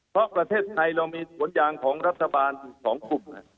เพราะประเทศไทยเรามีสวนยางของรัฐบาลอยู่๒กลุ่ม